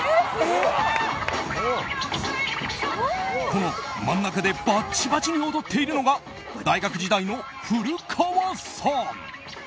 この真ん中でバッチバチに踊っているのが大学時代の古川さん。